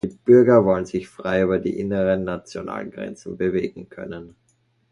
Die Bürger wollen sich frei über die inneren nationalen Grenzen bewegen können.